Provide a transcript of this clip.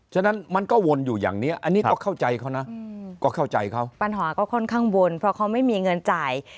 ฉะนั้นมันก็วนอยู่อย่างนี้อันนี้ก็เข้าใจเขานะก็เข้าใจเขาปัญหาก็ค่อนข้างวนเพราะเขาไม่มีเงินจ่าย